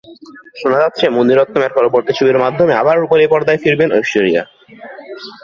শোনা যাচ্ছে, মণি রত্নমের পরবর্তী ছবির মাধ্যমে আবার রুপালি পর্দায় ফিরবেন ঐশ্বরিয়া।